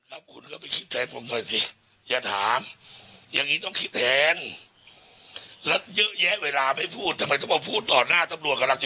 เอาหรือยาก้อนมาไม่ดูว่ามันจะมีมาไหมก้อนจะไม่ใช้ด้วยดิ